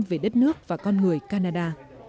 về đất nước và con người canada